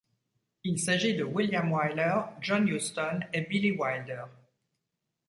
Il s'agit de William Wyler, John Huston et Billy Wilder.